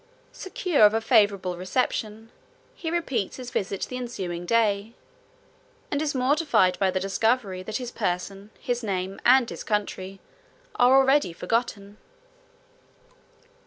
Secure of a favorable reception, he repeats his visit the ensuing day, and is mortified by the discovery, that his person, his name, and his country, are already forgotten.